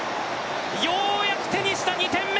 ようやく手にした２点目！